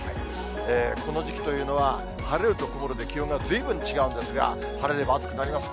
この時期というのは、晴れると曇るで気温がずいぶん違うんですが、晴れれば暑くなります。